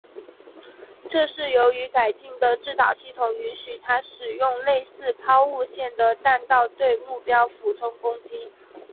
这是由于改进的制导系统允许它使用类似抛物线的弹道对目标俯冲攻击。